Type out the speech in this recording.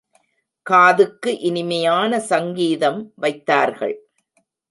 காதுக்கு இனிமையான சங்கீதம் வைத்தார்கள்.